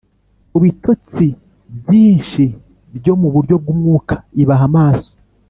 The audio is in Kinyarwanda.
mu bitotsi byinshi byo mu buryo bw umwuka ibaha amaso